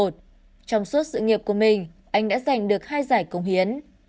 trong suốt sự nghiệp của mình anh đã giành được hai giải công hiến